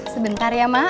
sebentar ya mak